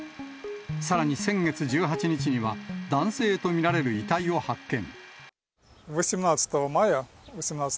さらに先月１８日には、男性と見られる遺体を発見。